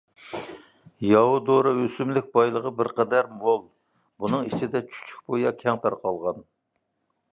ياۋا دورا ئۆسۈملۈك بايلىقى بىرقەدەر مول، بۇنىڭ ئىچىدە چۈچۈكبۇيا كەڭ تارقالغان.